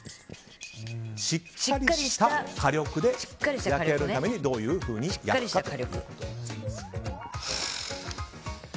しっかりした火力で焼き上げるためにどういうふうに焼くかということです。